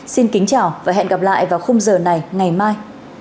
xin kính chào và hẹn gặp lại vào khung giờ này ngày mai